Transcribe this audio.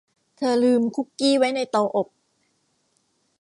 เธอลืมคุกกี้ไว้ในเตาอบ